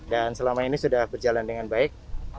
dan selama ini sudah berjalan dengan baik